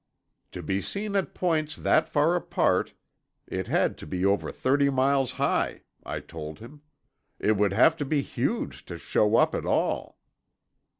"To be seen at points that far apart, it had to be over thirty miles high," I told him. "It would have to be huge to show up at all."